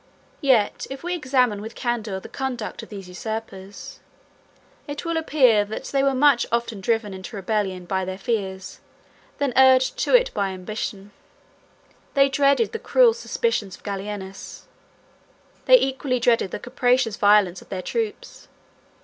Yet if we examine with candor the conduct of these usurpers, it will appear, that they were much oftener driven into rebellion by their fears, than urged to it by their ambition. They dreaded the cruel suspicions of Gallienus; they equally dreaded the capricious violence of their troops.